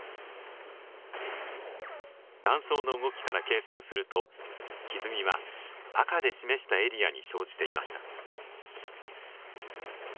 断層の動きから計算するとひずみは赤で示したエリアに生じていました。